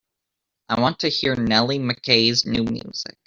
I want to hear Nellie Mckay's new music.